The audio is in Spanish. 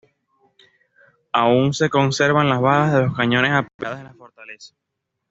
Aún se conservan las balas de los cañones apiladas en la fortaleza.